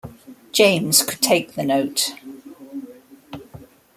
James could take the note.